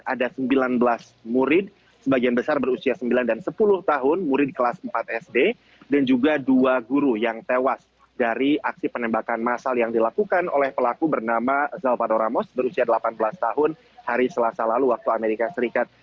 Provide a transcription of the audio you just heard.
ada sembilan belas murid sebagian besar berusia sembilan dan sepuluh tahun murid kelas empat sd dan juga dua guru yang tewas dari aksi penembakan masal yang dilakukan oleh pelaku bernama zalfanoramos berusia delapan belas tahun hari selasa lalu waktu amerika serikat